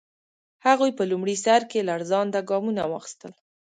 هغوی په لومړي سر کې لړزانده ګامونه واخیستل.